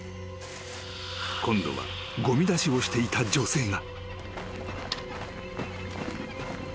［今度はごみ出しをしていた女性が］